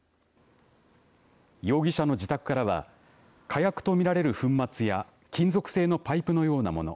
容疑者の自宅からは火薬と見られる粉末や金属製のパイプのようなもの